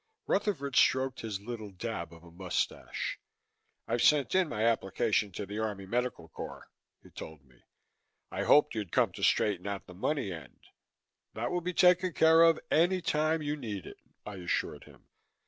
Rutherford stroked his little dab of a moustache. "I've sent in my application to the Army Medical Corps," he told me. "I hoped you'd come to straighten out the money end." "That will be taken care of any time you need it," I assured him.